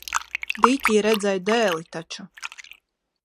Dīķī redzēju dēli taču.